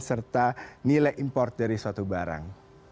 serta nilai import dari suatu barang